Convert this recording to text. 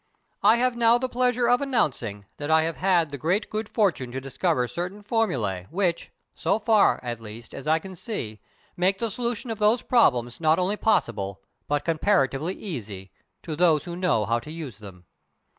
I have now the pleasure of announcing that I have had the great good fortune to discover certain formulæ which, so far, at least, as I can see, make the solution of those problems not only possible, but comparatively easy to those who know how to use them."